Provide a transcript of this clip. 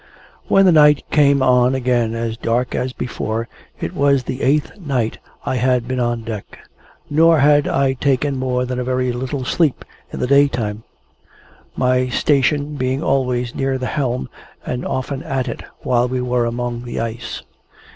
When the night came on again as dark as before, it was the eighth night I had been on deck. Nor had I taken more than a very little sleep in the day time, my station being always near the helm, and often at it, while we were among the ice.